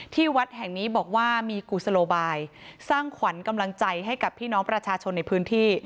วัดแห่งนี้บอกว่ามีกุศโลบายสร้างขวัญกำลังใจให้กับพี่น้องประชาชนในพื้นที่